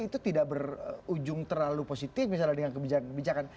itu tidak berujung terlalu positif misalnya dengan kebijakan